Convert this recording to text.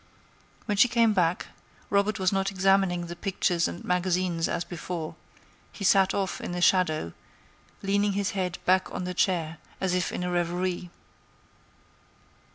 When she came back Robert was not examining the pictures and magazines as before; he sat off in the shadow, leaning his head back on the chair as if in a reverie.